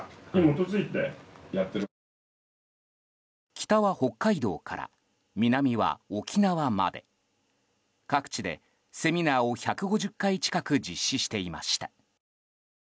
北は北海道から南は沖縄まで各地でセミナーを１５０回近く実施していました。